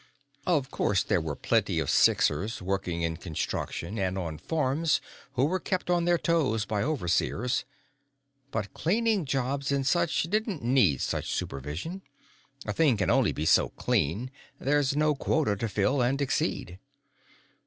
Of course, there were plenty of Sixers working in construction and on farms who were kept on their toes by overseers, but cleaning jobs and such didn't need such supervision. A thing can only be so clean; there's no quota to fill and exceed.